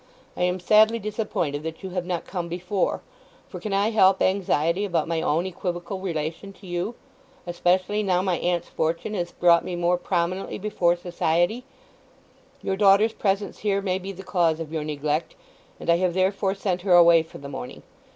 I am sadly disappointed that you have not come before, for can I help anxiety about my own equivocal relation to you?—especially now my aunt's fortune has brought me more prominently before society? Your daughter's presence here may be the cause of your neglect; and I have therefore sent her away for the morning.